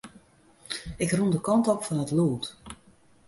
Ik rûn de kant op fan it lûd.